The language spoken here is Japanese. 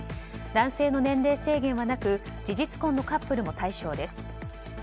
男性の年齢制限はなく事実婚のカップルも対象です。